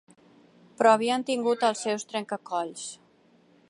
Però havien tingut els seus trenca-colls